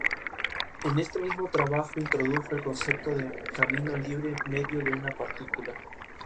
En este mismo trabajo introdujo el concepto de camino libre medio de una partícula.